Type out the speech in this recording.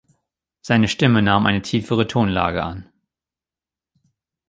Seine Stimme nahm eine tiefere Tonlage an.